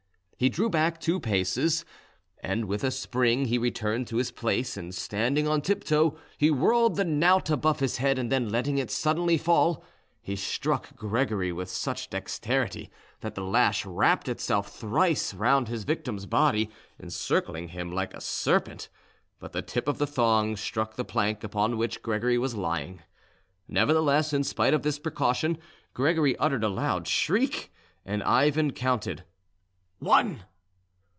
He drew back two paces, and with a spring he returned to his place, and standing on tiptoe, he whirled the knout above his head, and then letting it suddenly fall, he struck Gregory with such dexterity that the lash wrapped itself thrice round his victim's body, encircling him like a serpent, but the tip of the thong struck the plank upon which Gregory was lying. Nevertheless, in spite of this precaution, Gregory uttered a loud shriek, and Ivan counted "One."